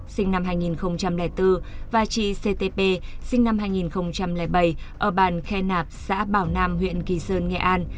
sinh năm hai nghìn bốn và chị ctp sinh năm hai nghìn bảy ở bàn khe nạp xã bảo nam huyện kỳ sơn nghệ an